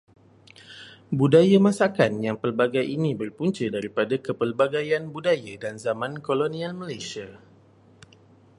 Budaya masakan yang pelbagai ini berpunca daripada kepelbagaian budaya dan zaman kolonial Malaysia.